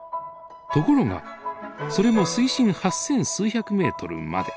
ところがそれも水深八千数百ｍまで。